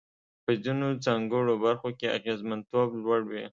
په ځینو ځانګړو برخو کې اغېزمنتوب لوړ وي.